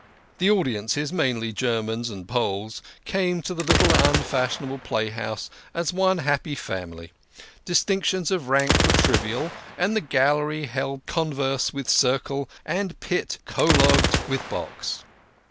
The audiences mainly German and Poles came to the little unfashionable THE KING OF SCHNORRERS. 63 playhouse as one happy family. Distinctions of rank were trivial, and gallery held converse with circle, and pit col logued with box.